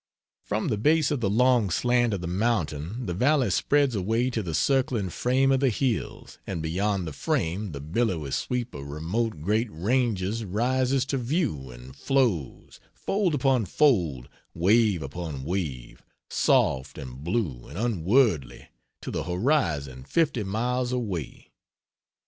From the base of the long slant of the mountain the valley spreads away to the circling frame of the hills, and beyond the frame the billowy sweep of remote great ranges rises to view and flows, fold upon fold, wave upon wave, soft and blue and unwordly, to the horizon fifty miles away.